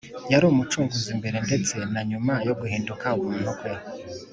. Yari Umucunguzi mbere ndetse na nyuma yo guhinduka umuntu Kwe